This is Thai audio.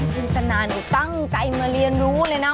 จริงจะนานหนูตั้งใจมาเรียนรู้เลยนะ